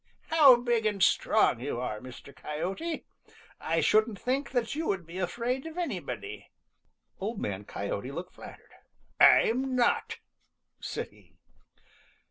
"How big and strong you are, Mr. Coyote! I shouldn't think that you would be afraid of anybody." Old Man Coyote looked flattered. "I'm not," said he.